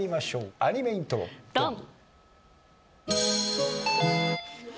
アニメイントロドン！